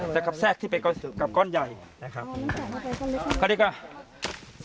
จะตัดแรงการชัดให้ขึ้น